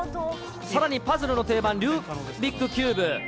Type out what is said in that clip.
さらにパズルの定番、ルービックキューブ。